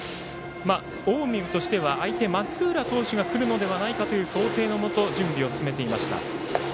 近江としては相手、松浦投手がくるのではないかという想定のもと準備を進めていました。